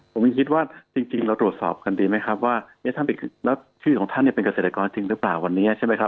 ผมยังคิดว่าจริงเราตรวจสอบกันดีไหมครับว่าแล้วชื่อของท่านเป็นเกษตรกรจริงหรือเปล่าวันนี้ใช่ไหมครับ